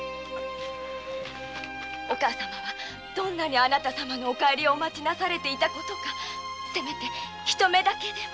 お母様はどんなにあなた様のお帰りをお待ちなされていたかせめてひと目だけでも。